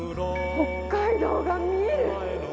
北海道が見える！